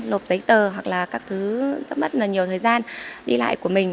lột giấy tờ hoặc là các thứ rất mất nhiều thời gian đi lại của mình